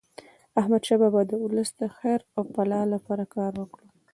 احمدشاه بابا د ولس د خیر او فلاح لپاره کار وکړ.